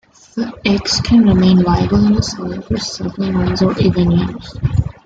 The eggs can remain viable in the soil for several months or even years.